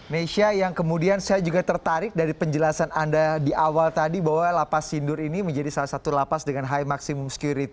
nesha yang kemudian saya juga tertarik dari penjelasan anda di awal tadi bahwa lapas sindur ini menjadi salah satu lapas dengan high maksimum security